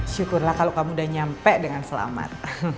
syukurlah kalau kamu udah nyampe dengan selamat